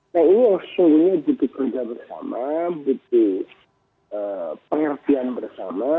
nah ini harus seungguhnya bekerja bersama bekerja bersama